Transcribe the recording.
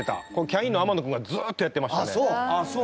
キャインの天野君がずーっとやってましたね。